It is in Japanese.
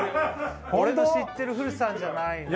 俺の知ってる古田さんじゃないなあ。